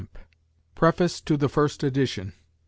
PREFACE TO THE FIRST EDITION.